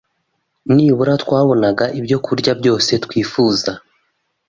Nibura twabonaga ibyokurya byose twifuzaga